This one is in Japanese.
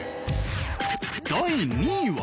第２位は。